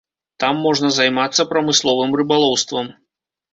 Там можна займацца прамысловым рыбалоўствам.